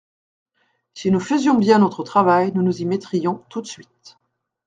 Si nous faisions bien notre travail, nous nous y mettrions tout de suite.